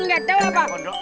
kalian gak tau apa